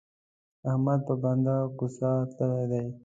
احمد په بنده کوڅه تللی دی.